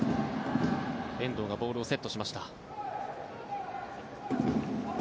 遠藤がボールをセットしました。